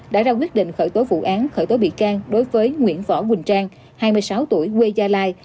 đã ra quyết định khởi tố vụ án khởi tố bị can đối với nguyễn võ quỳnh trang hai mươi sáu tuổi quê gia lai